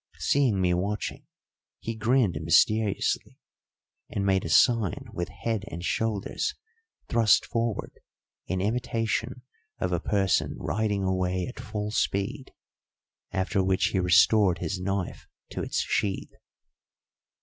Seeing me watching, he grinned mysteriously and made a sign with head and shoulders thrust forward in imitation of a person riding away at full speed, after which he restored his knife to its sheath.